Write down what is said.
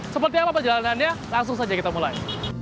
seperti apa perjalanannya langsung saja kita mulai